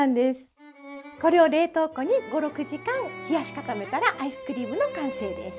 これを冷凍庫に５６時間冷やし固めたらアイスクリームの完成です。